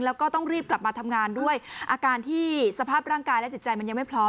แล้วก็ต้องรีบกลับมาทำงานด้วยอาการที่สภาพร่างกายและจิตใจมันยังไม่พร้อม